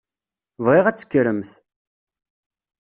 Bɣiɣ ad tekkremt.